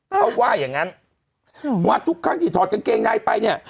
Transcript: เขาว่าอย่างงั้นว่าทุกครั้งที่ถอดกางเกงในไปเนี่ย